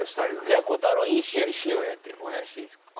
じゃあ「瑚太郎いい試合しようや」てお願いしていいですか？